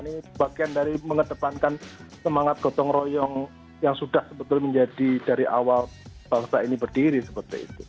ini bagian dari mengedepankan semangat gotong royong yang sudah sebetulnya menjadi dari awal bangsa ini berdiri seperti itu